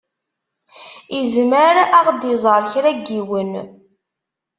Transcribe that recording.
Izmer ad ɣ-d-iẓeṛ kra n yiwen.